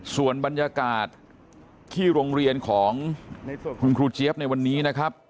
ส่วนบรรยากาศที่โรงเรียนของคุณครูเจี๊ยบในวันนี้นะครับ